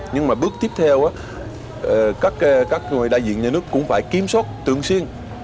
nhưng mà bước tiếp theo các người đại diện nhà nước cũng phải kiểm soát tương xuyên